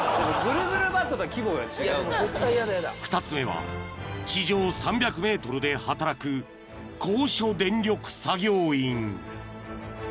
［２つ目は地上３００ｍで働く高所電力作業員］